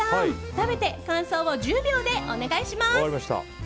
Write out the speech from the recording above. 食べて感想を１０秒でお願いします。